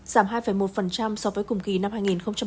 giảm hai một so với cùng kỳ năm hai nghìn hai mươi ba